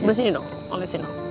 sebelah sini dong olesin dong